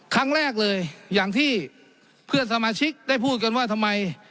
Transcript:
ครั้งแรกเลยอย่างที่เพื่อนสมาชิกได้พูดกันว่าทำไม